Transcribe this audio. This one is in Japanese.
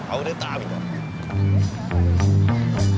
みたいな。